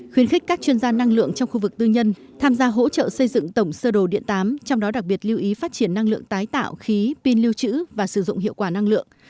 khuyến khích các chuyên gia năng lượng trong khu vực tư nhân tham gia hỗ trợ xây dựng tổng sơ đồ điện tám trong đó đặc biệt lưu ý phát triển năng lượng tái tạo khí pin lưu trữ và sử dụng hiệu quả năng lượng